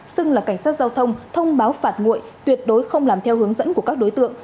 xưng là cảnh sát giao thông thông báo phạt nguội tuyệt đối không làm theo hướng dẫn của các đối tượng